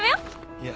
いや。